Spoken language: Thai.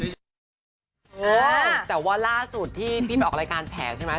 ใช่แต่ว่าล่าสุดที่พี่ไปออกรายการแฉใช่ไหม